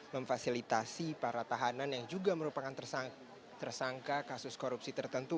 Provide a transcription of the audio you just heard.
memfasilitasi para tahanan yang juga merupakan tersangka kasus korupsi tertentu